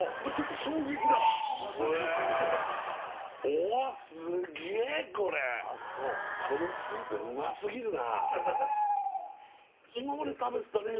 おすげーこれこのスープうますぎるな